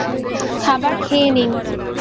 খাবার খেয়ে নিন।